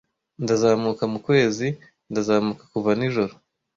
Ndazamuka mu kwezi, ndazamuka kuva nijoro,